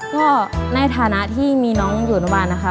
ก็ในฐานะที่มีน้องอยู่อนุบาลนะคะ